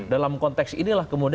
dalam konteks inilah kemudiannya